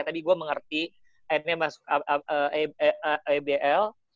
tapi gue mengerti akhirnya masuk abl